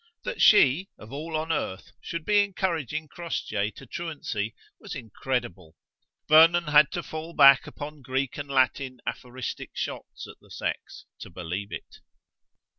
That she, of all on earth, should be encouraging Crossjay to truancy was incredible. Vernon had to fall back upon Greek and Latin aphoristic shots at the sex to believe it.